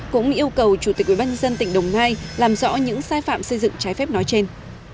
cũng yêu cầu chủ tịch ubnd tỉnh đồng nai làm rõ những sai phạm xây dựng trái phép nói trên